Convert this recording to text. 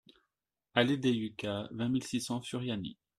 Allée des Yuccas, vingt mille six cents Furiani